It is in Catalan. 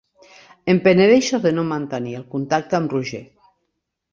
Em penedeixo de no mantenir el contacte amb Roger.